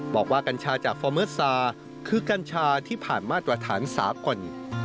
บอกว่ากัญชาจากฟอเมอร์ซาคือกัญชาที่ผ่านมาตรฐานสากล